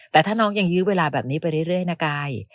แต่ถ้าน้องยังยื้อเวลาแบบนี้ไปเรื่อยนะกาย